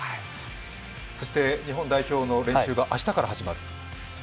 そして日本代表の練習が明日から始まる？